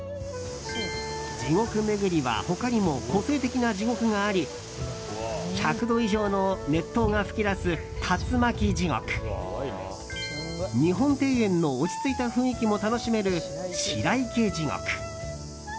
地獄めぐりは他にも個性的な地獄があり１００度以上の熱湯が噴き出す龍巻地獄日本庭園の落ち着いた雰囲気も楽しめる白池地獄。